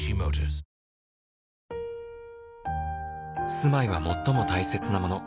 「住まいは最も大切なもの」